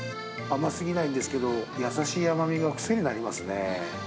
甘すぎないんですけど、優しい甘みが癖になりますね。